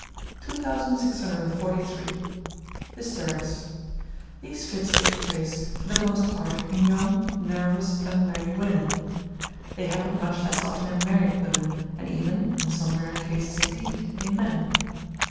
2643. Hysterics. These fits take place, for the most part, in young, nervous, unmarried women. They happen much less often in married women; and even (in some rare cases indeed) in men.